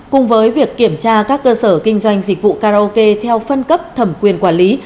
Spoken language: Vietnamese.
cùng với việc kiểm tra các cơ sở kinh doanh dịch vụ karaoke theo phân cấp thẩm quyền quản lý